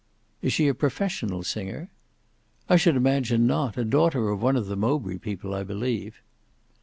"Is she a professional singer?" "I should imagine not; a daughter of one of the Mowbray people I believe."